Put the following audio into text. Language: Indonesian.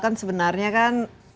kan sebenarnya kan